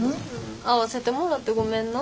合わせてもらってごめんな。